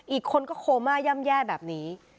อีกคนก็โคม่าย่ำแย่แบบนี้